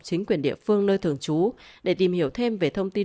chính quyền địa phương nơi thường trú để tìm hiểu thêm về thông tin